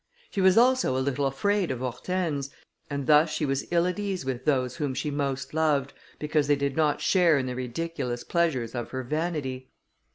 She was also a little afraid of Hortense, and thus she was ill at ease with those whom she most loved, because they did not share in the ridiculous pleasures of her vanity.